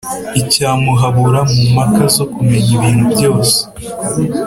icya muhabura mu mpaka zo kumenya ibintubyose